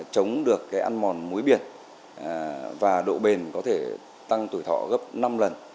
chống được cái ăn mòn muối biển và độ bền có thể tăng tuổi thọ gấp năm lần